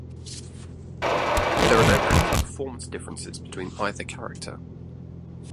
There are no actual performance differences between either character.